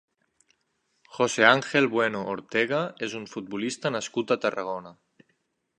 José Ángel Bueno Ortega és un futbolista nascut a Tarragona.